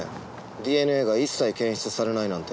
ＤＮＡが一切検出されないなんて。